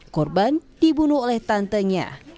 korban dibunuh oleh tantenya